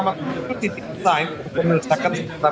namakamu itu titik desain pemilu sektor